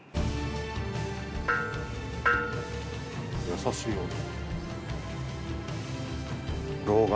優しい音。